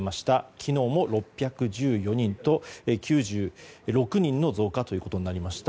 昨日も６１４人と９６人の増加ということになりました。